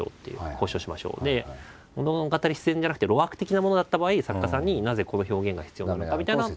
物語上必然じゃなくて露悪的なものだった場合作家さんになぜこの表現が必要なのかみたいな。